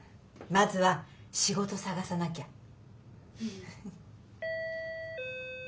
まずは仕事探さなきゃ。